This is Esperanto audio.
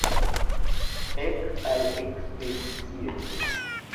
Ek al ekspedicio!